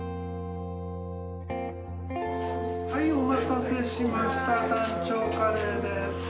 はいお待たせしました丹頂カレーです。